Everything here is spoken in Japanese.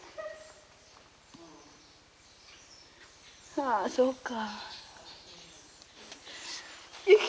ああそうか。